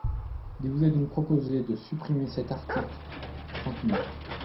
Il vous est donc proposé de supprimer cet article trente-neuf.